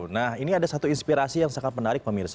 nah ini ada satu inspirasi yang sangat menarik pemirsa